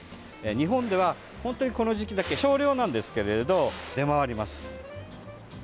日本では本当にこの時期だけ少量なんですけれど、出回ります。